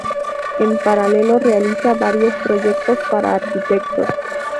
En paralelo realiza varios proyectos para arquitectos.